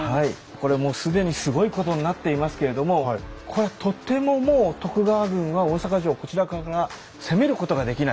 これもう既にすごいことになっていますけれどもこれはとてももう徳川軍は大坂城をこちらから攻めることができない。